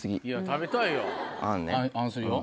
あんするよ。